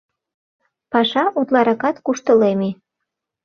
Паша утларакат куштылеме.